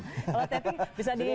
kalau taping bisa di edit